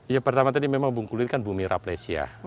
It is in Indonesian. ya pertama tadi memang bungkulu ini kan bumi raplesia